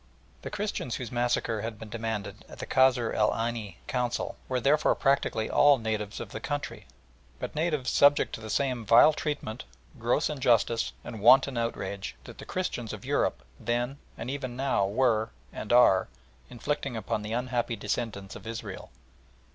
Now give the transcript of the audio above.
The Christians whose massacre had been demanded at the Kasr el Aini Council were therefore practically all natives of the country, but natives subject to the same vile treatment, gross injustice, and wanton outrage that the Christians of Europe then and even now were, and are, inflicting upon the unhappy descendants of Israel.